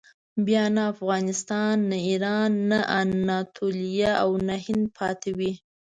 بیا نه افغانستان، نه ایران، نه اناتولیه او نه هند پاتې وي.